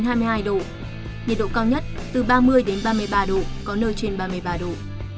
nhiệt độ cao nhất từ ba mươi ba mươi ba độ có nơi trên ba mươi ba độ